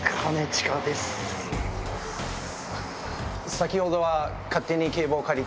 先ほどは。